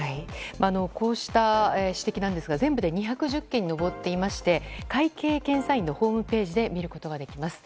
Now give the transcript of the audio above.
こうした指摘なんですが全部で２１０件に上っていまして会計検査院のホームページで見ることができます。